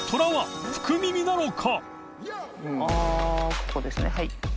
ここですねはい。